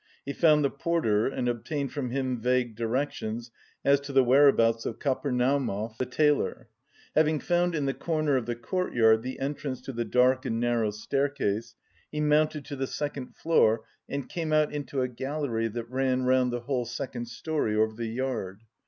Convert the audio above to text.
He found the porter and obtained from him vague directions as to the whereabouts of Kapernaumov, the tailor. Having found in the corner of the courtyard the entrance to the dark and narrow staircase, he mounted to the second floor and came out into a gallery that ran round the whole second storey over the yard.